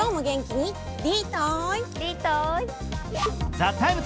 「ＴＨＥＴＩＭＥ，」